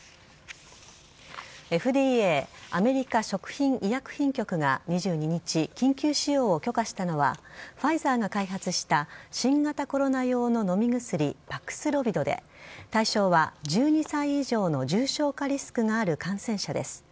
ＦＤＡ＝アメリカ食品医薬品局が２２日、緊急使用を許可したのはファイザーが開発した新型コロナ用の飲み薬パクスロビドで対象は、１２歳以上の重症化リスクがある感染者です。